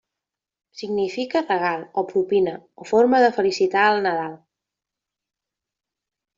Significa regal o propina o forma de felicitar el Nadal.